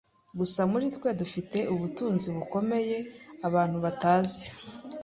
gusa, muri twe dufite ubutunzi bukomeye abantu batazi